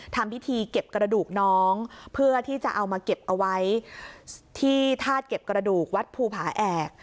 ทำพิธีเก็บกระดูกน้องเพื่อที่จะเอามาเก็บเอาไว้ที่ธาตุเก็บกระดูกวัดภูผาแอก